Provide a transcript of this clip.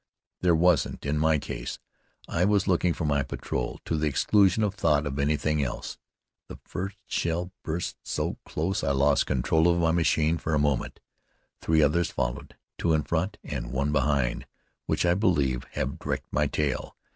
There wasn't in my case. I was looking for my patrol to the exclusion of thought of anything else. The first shell burst so close that I lost control of my machine for a moment. Three others followed, two in front, and one behind, which I believed had wrecked my tail.